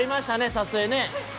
撮影ね。